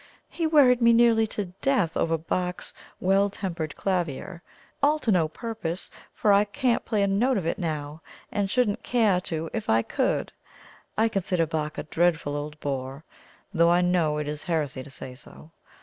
He worried me nearly to death over Bach's 'Well tempered Klavier' all to no purpose, for I can't play a note of it now, and shouldn't care to if I could. I consider Bach a dreadful old bore, though I know it is heresy to say so.